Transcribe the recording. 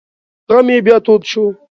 غم یې بیا تود شو.